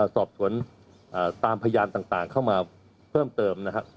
สอบสวนตามพยานต่างเข้ามาเพิ่มเติมนะครับ